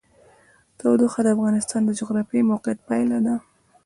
تودوخه د افغانستان د جغرافیایي موقیعت پایله ده.